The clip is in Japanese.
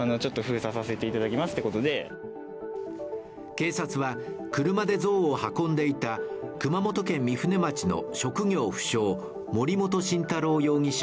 警察は、車で像を運んでいた熊本県御船町の職業不詳・森本晋太郎容疑者